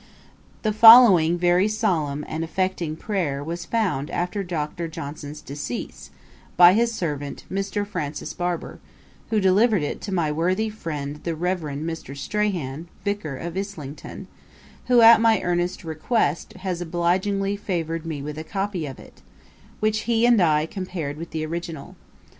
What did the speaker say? The following very solemn and affecting prayer was found after Dr. Johnson's decease, by his servant, Mr. Francis Barber, who delivered it to my worthy friend the Reverend Mr. Strahan, Vicar of Islington, who at my earnest request has obligingly favoured me with a copy of it, which he and I compared with the original.